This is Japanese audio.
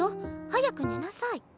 早く寝なさい。